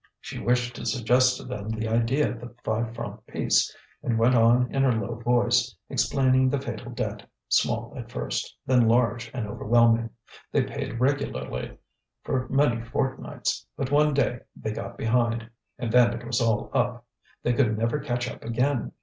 She wished to suggest to them the idea of the five franc piece, and went on in her low voice, explaining the fatal debt, small at first, then large and overwhelming. They paid regularly for many fortnights. But one day they got behind, and then it was all up. They could never catch up again.